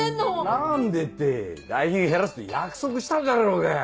「何で」って代品減らすって約束したじゃろうが。